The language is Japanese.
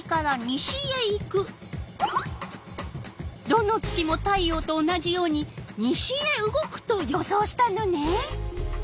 どの月も太陽と同じように西へ動くと予想したのね。